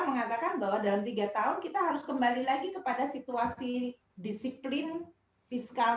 mengatakan bahwa dalam tiga tahun kita harus kembali lagi kepada situasi disiplin fiskal